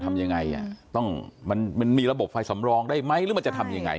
ทำยังไงอ่ะต้องมันมีระบบไฟสำรองได้ไหมหรือมันจะทำยังไง